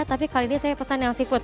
tapi kali ini saya pesan yang seafood